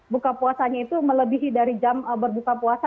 buka puasanya itu melebihi dari jam berbuka puasa